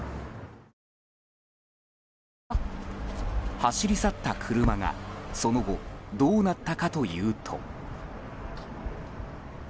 走り去った車がその後どうなったかというと。